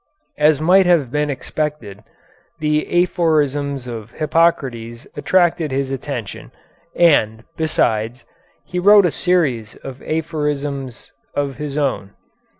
As might have been expected, the Aphorisms of Hippocrates attracted his attention, and, besides, he wrote a series of aphorisms of his own.